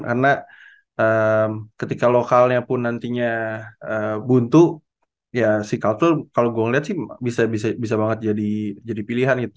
karena ketika lokalnya pun nantinya buntu ya si caldwell kalau gue ngeliat sih bisa banget jadi pilihan gitu